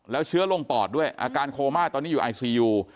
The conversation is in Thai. แล้วเชื้อลงปอดด้วยอาการโคม่าตอนนี้อยู่ไอซียู